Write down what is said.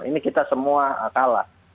ini kita semua kalah